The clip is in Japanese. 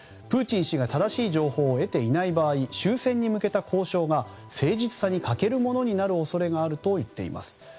プーチン氏が正しい情報を得ていない場合終戦に向けた交渉が誠実さに欠けるものになる恐れがあるといっています。